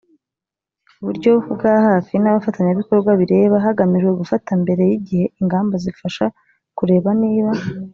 buryo bwa hafi n abafatanyabikorwa bireba hagamijwe gufata mbere y igihe ingamba zifasha kureba niba